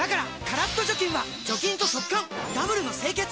カラッと除菌は除菌と速乾ダブルの清潔！